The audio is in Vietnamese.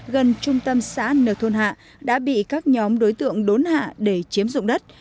gần trung tâm xã nờ thôn hạ đã bị các nhóm đối tượng đốn hạ để chiếm dụng đất